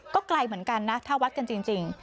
ก็ไกลเหมือนกันนะถ้าวัดกันจริง